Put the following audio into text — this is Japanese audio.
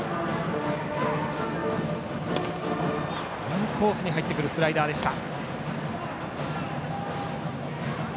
インコースに入ってくるスライダーでした。